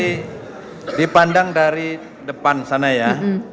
ini dipandang dari depan sana ya